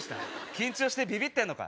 緊張してビビってんのか？